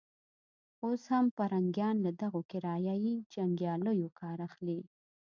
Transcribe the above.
اوس هم پرنګيان له دغو کرایه يي جنګیالیو کار اخلي.